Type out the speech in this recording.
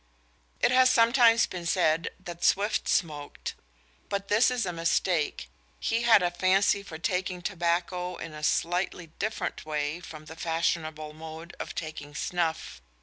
It has sometimes been said that Swift smoked; but this is a mistake. He had a fancy for taking tobacco in a slightly different way from the fashionable mode of taking snuff.